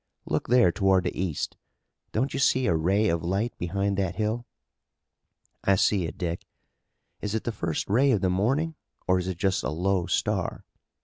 Look there toward the east. Don't you see a ray of light behind that hill?" "I see it, Dick." "Is it the first ray of the morning, or is it just a low star?"